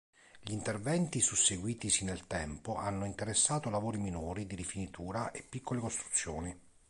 Gli interventi susseguitisi nel tempo hanno interessato lavori minori di rifinitura e piccole costruzioni.